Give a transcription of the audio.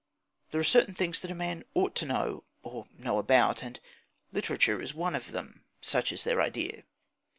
There are certain things that a man ought to know, or to know about, and literature is one of them: such is their idea.